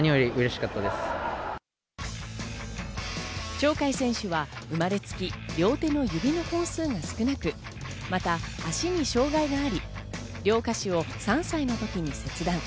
鳥海選手は生まれつき両手の指の本数が少なく、また足に障害があり両下肢を３歳の時に切断。